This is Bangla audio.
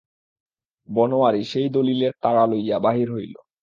বনোয়ারি সেই দলিলের তাড়া লইয়া বাহির হইল।